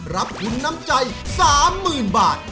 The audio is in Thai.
รับทุนน้ำใจ๓๐๐๐บาท